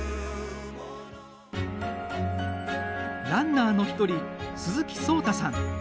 ランナーの１人、鈴木聡太さん。